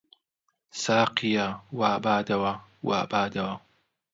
ساقییا! وا بادەوە، وا بادەوە